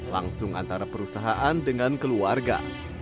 langsung antara perusahaan dengan keluarga